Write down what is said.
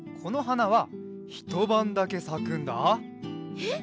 えっ？